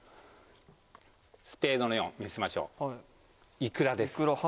スペードの４見せましょう「いくら」です。